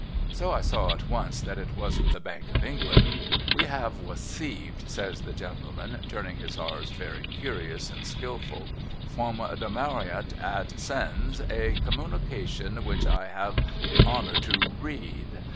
So I saw at once that it wasn't the Bank of England. ' We have rrweccived,' says the gentleman turning his r's very curious and skilful, ' frrwom the Mairrwie at Sens, a communication which I will have the honour to rrwead.